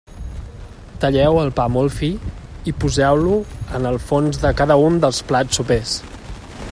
Talleu el pa molt fi i poseu-lo en el fons de cada un dels plats sopers.